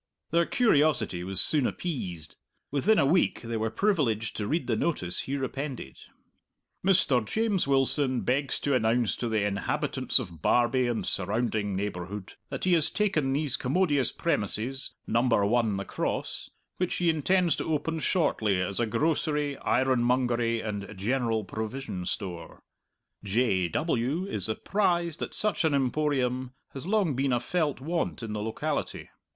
Their curiosity was soon appeased. Within a week they were privileged to read the notice here appended: "Mr. James Wilson begs to announce to the inhabitants of Barbie and surrounding neighbourhood that he has taken these commodious premises, No. 1 The Cross, which he intends to open shortly as a Grocery, Ironmongery, and General Provision Store. J. W. is apprised that such an Emporium has long been a felt want in the locality.